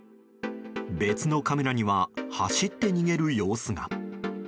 別のカメラには走って逃げる様子が。